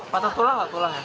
patah tulang atau tulang